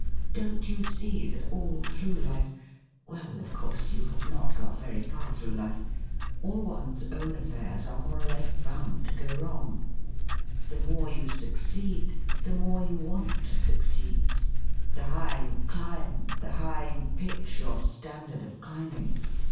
Don't you see that all through life — ^well, of course, you have not got very far through life — all one's own aflFairs are more or less bound to go wrong ? The more you succeed, the more you want to succeed. The higher you climb, the higher you pitch your standard of climbing.